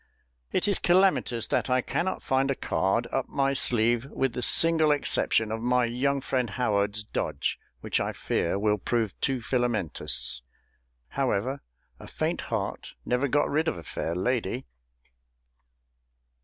It is calamitous that I cannot find a card up my sleeve with the single exception of my young friend HOWARD'S dodge, which I fear will prove too filamentous. However, a faint heart never got rid of a fair lady!